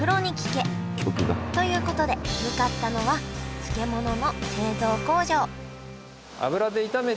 ということで向かったのは漬物の製造工場一回ね！